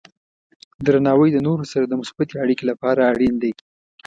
درناوی د نورو سره د مثبتې اړیکې لپاره اړین دی.